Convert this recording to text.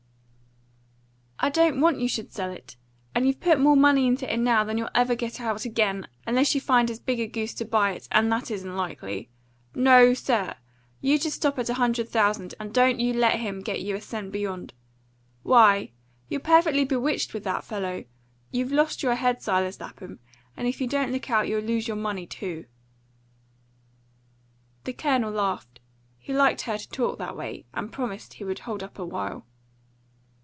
"I don't want you should sell it. And you've put more money into it now than you'll ever get out again, unless you can find as big a goose to buy it, and that isn't likely. No, sir! You just stop at a hundred thousand, and don't you let him get you a cent beyond. Why, you're perfectly bewitched with that fellow! You've lost your head, Silas Lapham, and if you don't look out you'll lose your money too." The Colonel laughed; he liked her to talk that way, and promised he would hold up a while.